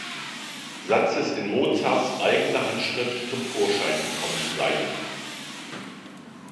Satzes in Mozarts eigener Handschrift zum Vorschein gekommen seien.